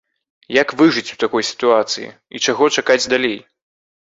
Як выжыць у такой сітуацыі і чаго чакаць далей?